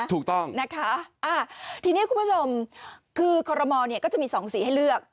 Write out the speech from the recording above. ถูกต้องนะคะทีนี้คุณผู้ชมคือคอรมอลเนี่ยก็จะมี๒สีให้เลือก